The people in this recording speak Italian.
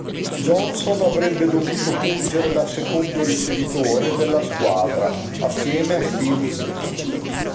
Johnson avrebbe dovuto fungere da secondo ricevitore della squadra accanto a Steve Smith.